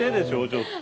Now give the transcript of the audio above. ちょっと。